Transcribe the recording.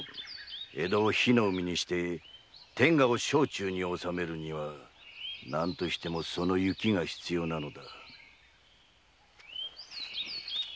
江戸を火の海にして天下を掌中に納めるには何としてもその雪が必要なのだ。